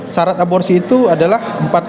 syarat aborsi itu adalah